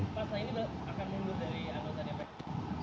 pak saat ini lho akan mundur dari anggota dpr ri